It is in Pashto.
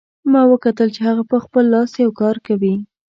ما وکتل چې هغه په خپل لاس یو کار کوي